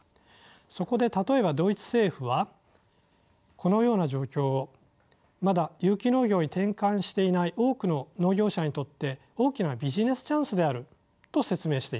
そこで例えばドイツ政府はこのような状況をまだ有機農業に転換していない多くの農業者にとって大きなビジネスチャンスであると説明しています。